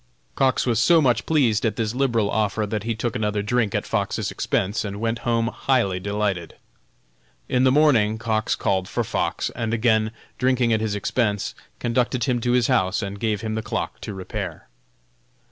Cox was so much pleased at this liberal offer that he took another drink at Fox's expense and went home highly delighted. In the morning Cox called for Fox, and again drinking at his expense, conducted him to his house and gave him the clock to repair.